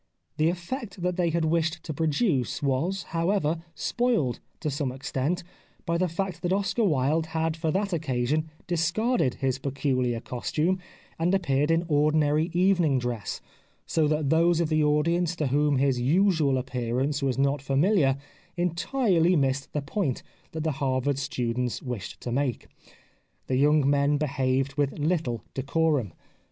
The effect that they had wished to produce was, however, spoiled to some extent by the fact that Oscar Wilde had for that occasion discarded his peculiar costume and appeared in ordinary evening dress, so that those of the audience to whom his usual appearance was not familiar entirely missed the point that the Harvard students wished to make. The young men behaved with little decorum.